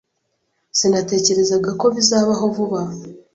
Sinatekerezaga ko bizabaho vuba.